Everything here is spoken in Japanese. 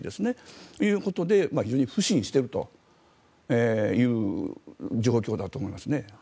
そういうことで非常に腐心しているという状況だと思いますね。